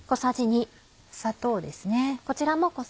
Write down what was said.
砂糖ですね。